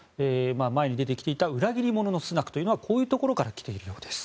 前に出てきていた裏切り者のスナクというのはこういうところから来ているようです。